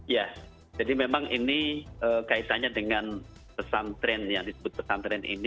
ya jadi memang ini kaitannya dengan pesantren yang disebut pesantren ini